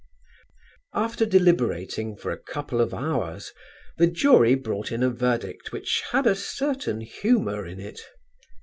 After deliberating for a couple of hours the jury brought in a verdict which had a certain humour in it.